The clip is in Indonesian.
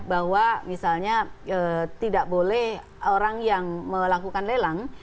bahwa misalnya tidak boleh orang yang melakukan lelang